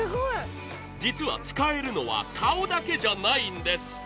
実は、使えるのは顔だけじゃないんです。